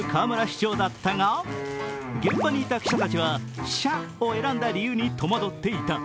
長だったが、現場にいた記者たちは「謝」を選んだ理由に戸惑っていた。